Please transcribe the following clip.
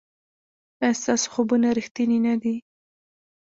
ایا ستاسو خوبونه ریښتیني نه دي؟